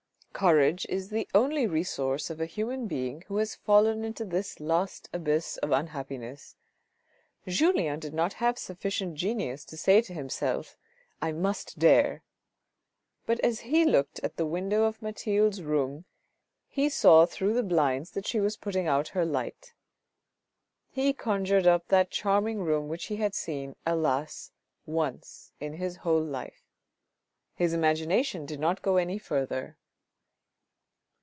Courage is the only resource of a human being who has fallen into this last abyss of unhappiness. Julien did not have sufficient genius to say to himself, " I must dare," but as he looked at the window of Mathilde's room he saw through the blinds that she was putting out her light. He conjured up that charming room which he had seen, alas ! once in his whole life. His imagination did not go any further.